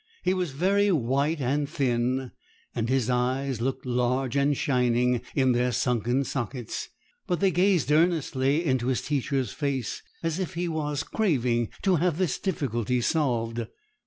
He was very white and thin, and his eyes looked large and shining in their sunken sockets; but they gazed earnestly into his teacher's face, as if he was craving to have this difficulty solved.